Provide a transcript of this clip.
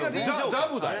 ジャブだよ